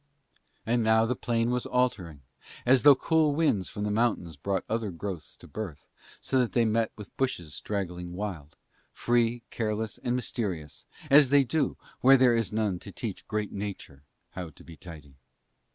And now the plain was altering, as though cool winds from the mountains brought other growths to birth, so that they met with bushes straggling wild; free, careless and mysterious, as they do, where there is none to teach great Nature how to be tidy.